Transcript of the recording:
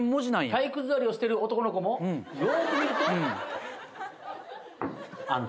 体育座りをしてる男の子もようく見ると「＆」。